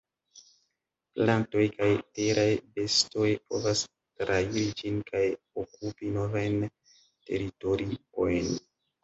Plantoj kaj teraj bestoj povas trairi ĝin kaj okupi novajn teritoriojn.